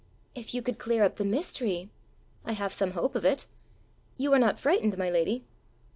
"If you could clear up the mystery!" "I have some hope of it. You are not frightened, my lady?"